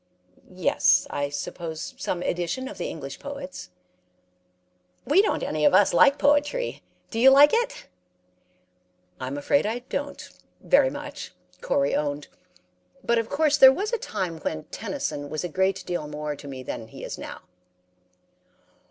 "'Yes. I suppose some edition of the English poets.' "'We don't any of us like poetry. Do you like it?' "'I'm afraid I don't, very much,' Corey owned. 'But of course there was a time when Tennyson was a great deal more to me than he is now.'